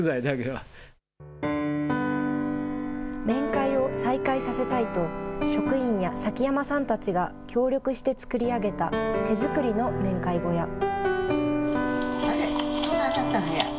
面会を再開させたいと、職員や崎山さんたちが協力して作り上げた手作りの面会小屋。